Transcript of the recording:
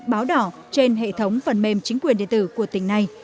báo đỏ trên hệ thống phần mềm chính quyền điện tử của tỉnh này